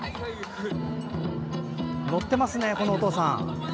乗ってますね、このお父さん。